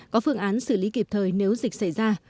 có phương án xử lý kịp thời nếu dịch xảy ra